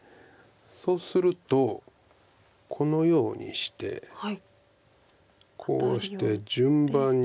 そうするとこのようにしてこうして順番に打たれて。